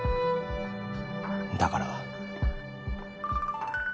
だから